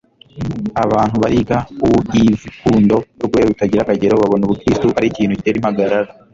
Abantu bariga uivkundo rwe rutagira akagero babona ubukristo ari ikintu gitera impagarara.